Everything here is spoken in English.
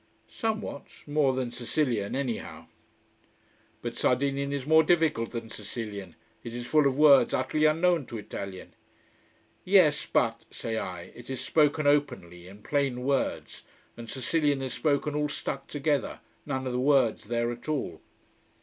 "Somewhat. More than Sicilian, anyhow." "But Sardinian is more difficult than Sicilian. It is full of words utterly unknown to Italian " "Yes, but," say I, "it is spoken openly, in plain words, and Sicilian is spoken all stuck together, none of the words there at all."